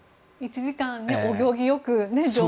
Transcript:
１時間、お行儀よく。